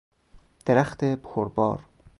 درخت پر بار